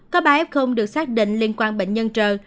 có ba ép khung được xác định liên quan bệnh nhân trờ